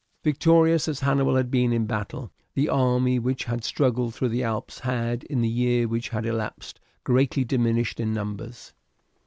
Victorious as Hannibal had been in battle, the army which had struggled through the Alps had in the year which had elapsed, greatly diminished in numbers.